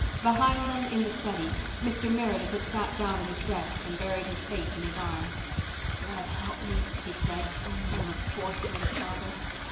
Behind them, in the study, Mr. Meredith had sat down at his desk and buried his face in his arms. "God help me!" he said. "I'm a poor sort of father.